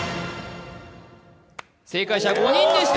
正解者は５人でした。